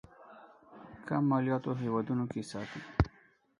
کم مالياتو هېوادونو کې ساتي.